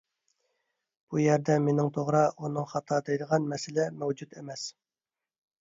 بۇ يەردە مېنىڭ توغرا، ئۇنىڭ خاتا دەيدىغان مەسىلە مەۋجۇت ئەمەس.